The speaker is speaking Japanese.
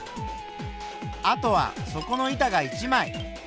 あとは底の板が１枚。